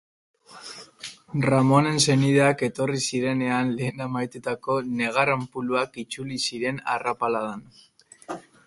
Ramonen senideak etorri zirenean lehen amaitutako negar-anpuluak itzuli ziren arrapaladan.